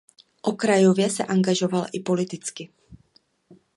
Okrajově se angažoval i politicky.